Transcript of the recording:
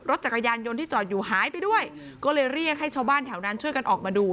จักรยานยนต์ที่จอดอยู่หายไปด้วยก็เลยเรียกให้ชาวบ้านแถวนั้นช่วยกันออกมาดู